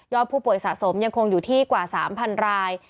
ผู้ป่วยสะสมยังคงอยู่ที่กว่า๓๐๐ราย